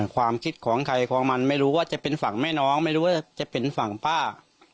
ความคิดของใครของมันไม่รู้ว่าจะเป็นฝั่งแม่น้องไม่รู้ว่าจะเป็นฝั่งป้า